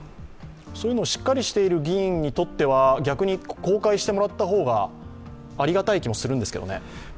しっかりしている議員にとっては逆に公開してもらった方がありがたい気もするんですけどね。